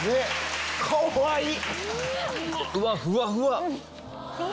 かわいい！